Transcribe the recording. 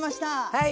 はい。